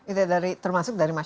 itu dari termasuk dari masyarakat